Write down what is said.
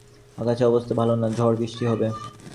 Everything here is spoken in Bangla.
আকাশের অবস্থা ভালো না-ঝড়-বৃষ্টি হবে।